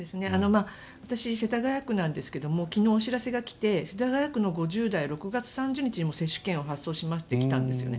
私、世田谷区なんですが昨日お知らせが来て世田谷区の５０代６月３０日に接種券を発送しますと来たんですね。